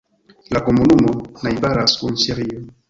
La komunumo najbaras kun Ĉeĥio.